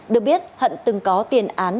được biết hận từng có tiền án